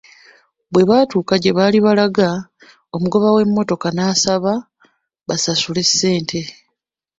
Bwe baatuuka gye balaga, omugoba w'emmotoka n'abasaba basasule ssente.